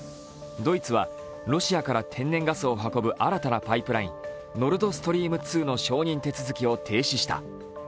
ドイツはロシアから天然ガスを運ぶ新たなパイプライン、ノルドストリーム２の承認手続を停止した。